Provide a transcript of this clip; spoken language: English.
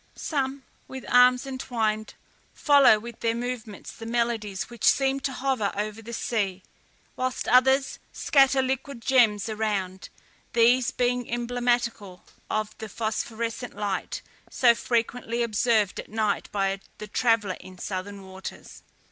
Some, with arms entwined, follow with their movements the melodies which seem to hover over the sea, whilst others scatter liquid gems around, these being emblematical of the phosphorescent light, so frequently observed at night by the traveller in southern waters.